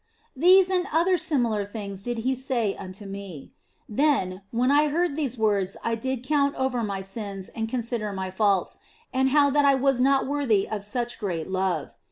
These and other similar things did He say unto me. Then, when I heard these words I did count over my sins and consider my faults, and how that I was not OF FOLIGNO 163 worthy of such great love.